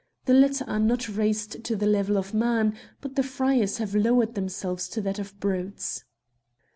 The latter are not raised to the level of man, but the friars have lowered themselves to that of brutes.